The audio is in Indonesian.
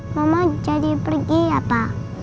mama jadi pergi ya pak